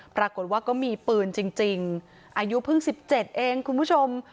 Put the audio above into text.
ปรากฏว่าก็มีปืนจริงอายุเพิ่ง๑๗เองคุณผู้ชม